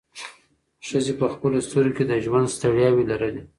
ښځې په خپلو سترګو کې د ژوند ستړیاوې لرلې.